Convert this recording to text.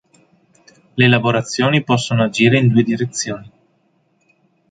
Le lavorazioni possono agire in due direzioni.